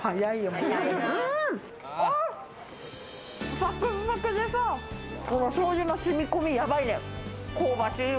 サクサクでさ、この醤油の染み込み、やばいよ。香ばしいよ。